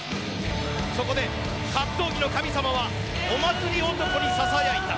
そこで、格闘技の神様はお祭り漢にささやいた。